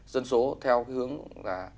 dân số theo hướng là